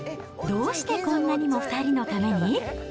どうしてこんなにも２人のために？